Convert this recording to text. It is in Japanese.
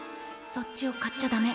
・そっちを買っちゃダメ！